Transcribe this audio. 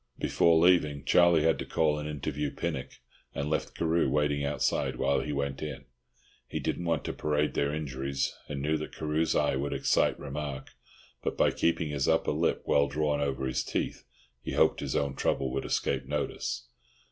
Before leaving, Charlie had to call and interview Pinnock, and left Carew waiting outside while he went in. He didn't want to parade their injuries, and knew that Carew's eye would excite remark; but by keeping his upper lip well drawn over his teeth, he hoped his own trouble would escape notice.